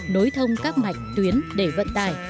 nối thông các mạch tuyến để vận tải